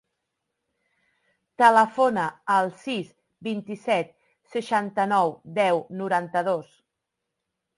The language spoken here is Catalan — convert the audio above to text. Telefona al sis, vint-i-set, seixanta-nou, deu, noranta-dos.